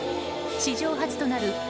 史上初となる